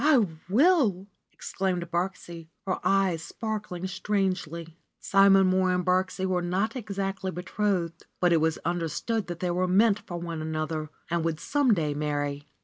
"I will !" exclaimed Birksie, her eyes sparkling strangely. Simon Mohr and Birksie were not exactly betrothed, but it was understood that they were meant for one another and would some day marry.